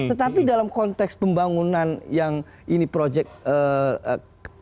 tetapi dalam konteks pembangunan yang ini proyek kegiatan strategis